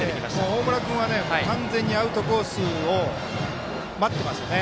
大村君は完全にアウトコースを待っていますよね。